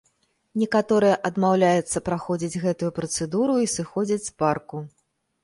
Некаторыя адмаўляюцца праходзіць гэтую працэдуру і сыходзяць з парку.